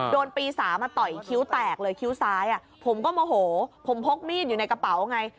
โดนปีสามาต่อยคิ้วแตกเลยคิ้วซ้ายผมก็โมโหผมพกมีดอยู่ในกระเป๋าไง